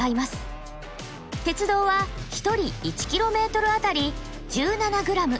鉄道は１人１ｋｍあたり１７ｇ。